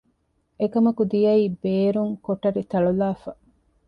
އެކަމަކު ދިޔައީ ބޭރުން ކޮޓަރި ތަޅުލައިފަ